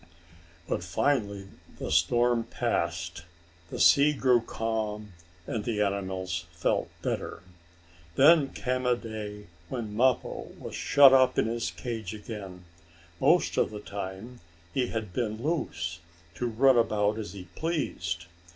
But finally the storm passed, the sea grew calm and the animals felt better. Then came a day when Mappo was shut up in his cage again. Most of the time he had been loose, to run about as he pleased.